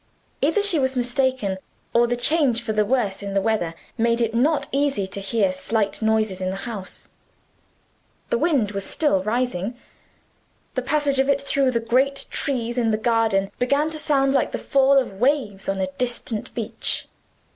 Either she was mistaken, or the change for the worse in the weather made it not easy to hear slight noises in the house. The wind was still rising. The passage of it through the great trees in the garden began to sound like the fall of waves on a distant beach.